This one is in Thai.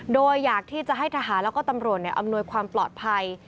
โดยอยากที่จะให้ทหารแล้วก็ตำรวจอำนวยความปลอดภัย